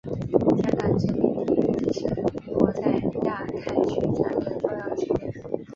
香港殖民地一直是英国在亚太区战略的重要据点。